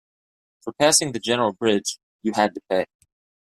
For passing the general bridge, you had to pay.